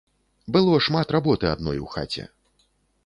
Было шмат работы адной у хаце.